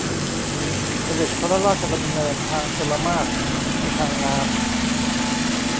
เสด็จพระราชดำเนินทางชลมารค คือทางน้ำ